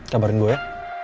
kabarin gue ya